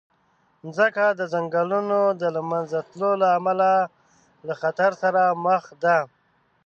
مځکه د ځنګلونو د له منځه تلو له امله له خطر سره مخ ده.